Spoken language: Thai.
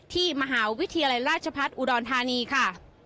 ที่มหาวิทยาลัยราชพัฒน์อุดรธานีค่ะ